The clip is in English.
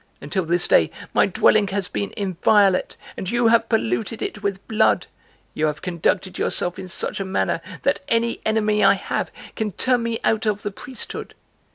Until this day my dwelling has been inviolate and you have polluted it with blood! You have conducted yourself in such a manner that any enemy I have can turn me out of the priesthood!"